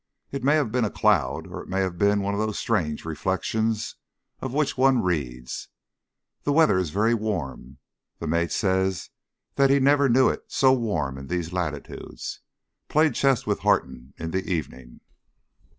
It may have been a cloud, or it may have been one of those strange reflections of which one reads. The weather is very warm. The mate says that he never knew it so warm in these latitudes. Played chess with Harton in the evening.